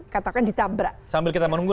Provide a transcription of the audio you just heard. katakan ditabrak sambil kita menunggu